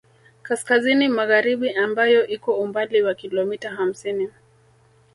Kaskazini magharibi ambayo iko umbali wa kilomita hamsini